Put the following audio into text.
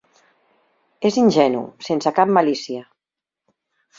És ingenu, sense cap malícia.